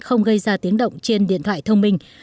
không gây ra tiếng động trên điện thoại thông minh